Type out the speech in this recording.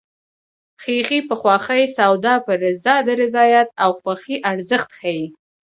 خیښي په خوښي سودا په رضا د رضایت او خوښۍ ارزښت ښيي